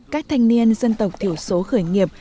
các thanh niên dân tộc thiểu số khởi nghiệp